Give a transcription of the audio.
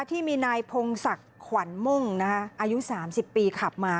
ที่มีนายพงศักดิ์ขวัญมุ่งอายุ๓๐ปีขับมา